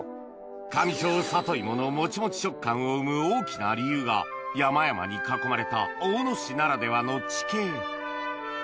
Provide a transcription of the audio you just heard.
上庄さといものもちもち食感を生む大きな理由が山々に囲まれた大野市ならではの地形